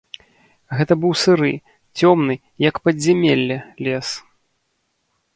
Гэта быў сыры, цёмны, як падзямелле, лес.